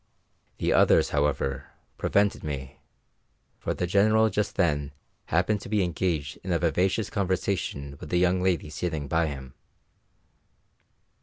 The others, however, prevented me, for the General just then happened to be engaged in a vivacious conversation with the young lady sitting by him.